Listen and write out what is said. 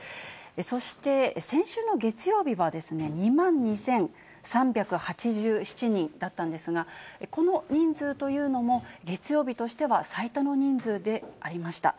そして、先週の月曜日は、２万２３８７人だったんですが、この人数というのも、月曜日としては最多の人数でありました。